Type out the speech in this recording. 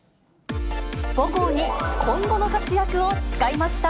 母校に今後の活躍を誓いました。